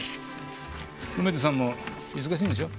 梅津さんも忙しいんでしょ？